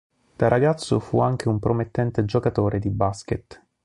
Da ragazzo fu anche un promettente giocatore di basket.